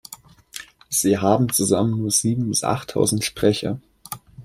Sie haben zusammen nur sieben- bis achttausend Sprecher.